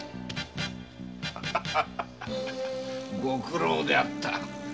ご苦労であった。